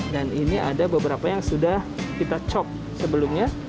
dan ini ada beberapa yang sudah kita chop sebelumnya